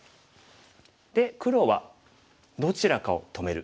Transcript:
で黒はどちらかを止める。